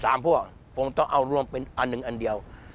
พวกผมต้องเอารวมเป็นอันหนึ่งอันเดียว